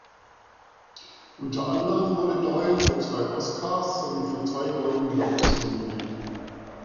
Unter anderem wurde Doyle für zwei Oscars sowie für zwei Golden Globes nominiert.